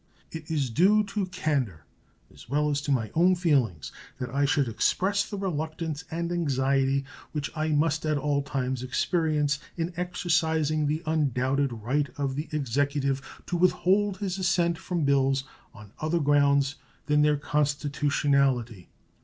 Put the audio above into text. It is due to candor, as well as to my own feelings, that I should express the reluctance and anxiety which I must at all times experience in exercising the undoubted right of the Executive to withhold his assent from bills on other grounds than their constitutionality.